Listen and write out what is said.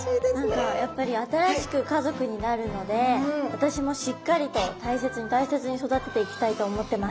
何かやっぱり新しく家族になるので私もしっかりと大切に大切に育てていきたいと思ってます。